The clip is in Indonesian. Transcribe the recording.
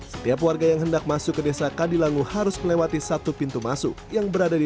setiap warga yang hendak masuk ke desa kadilangu harus melewati satu pintu masuk yang berada di